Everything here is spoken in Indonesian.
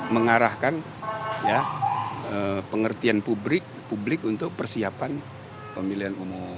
mengarahkan ya pengertian publik untuk persiapan pemilihan umum